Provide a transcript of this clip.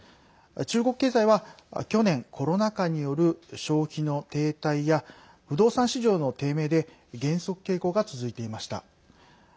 中国経済は、去年コロナ禍による消費の停滞や不動産市場の低迷で減速傾向が続いていました。